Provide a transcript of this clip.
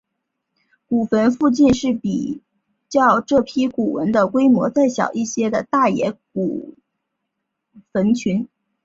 古坟附近是较这批古坟的规模再小一些的大野田古坟群。